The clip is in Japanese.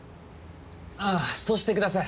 あぁそうしてください。